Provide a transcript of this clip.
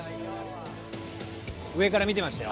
上から見てましたよ。